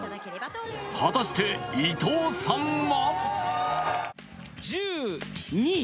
果たして伊藤さんは？